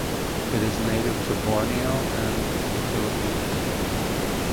It is native to Borneo and the Philippines.